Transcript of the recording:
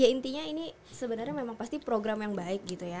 ya intinya ini sebenarnya memang pasti program yang baik gitu ya